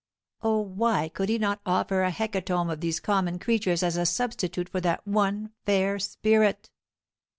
O, why could he not offer a hecatomb of these common creatures as a substitute for that one fair spirit?